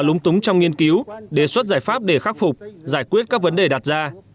lúng túng trong nghiên cứu đề xuất giải pháp để khắc phục giải quyết các vấn đề đặt ra